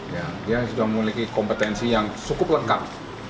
ya dia sudah memiliki kompetensi yang cukup lengkap